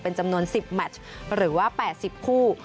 เป็นจำนวน๑๐แมชหรือว่า๘๐คู่